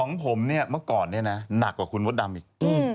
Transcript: ของผมเนี่ยเมื่อก่อนเนี่ยนะหนักกว่าคุณมดดำอีก